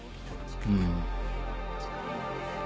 うん。